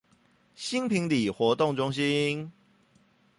新坪里活動中心